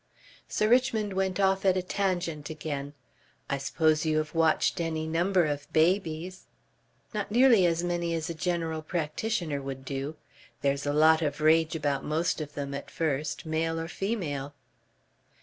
Sir Richmond went off at a tangent again. "I suppose you have watched any number of babies?"' "Not nearly as many as a general practitioner would do. There's a lot of rage about most of them at first, male or female."